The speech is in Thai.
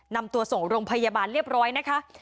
นำตัวส่งโรงพยาบาลเรียบร้อยนะคะ